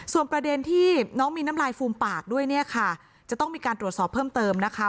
ส่วนประเด็นที่น้องมีน้ำลายฟูมปากด้วยเนี่ยค่ะจะต้องมีการตรวจสอบเพิ่มเติมนะคะ